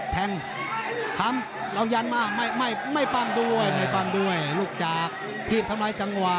แทงทำลองยันมาไม่ไม่ไม่ฟังด้วยไม่ฟังด้วยลูกจากทีบทำไมจังหวะ